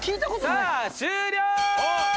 さあ終了！